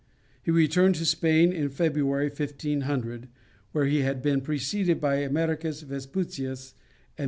He returned to Spain in February, 1500, where he had been preceded by Americus Vespucius and B.